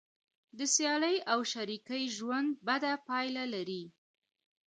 د سیالۍ او شریکۍ ژوند بده پایله لري.